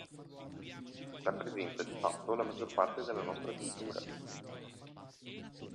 Rappresenta, di fatto, la maggior parte della nostra cultura.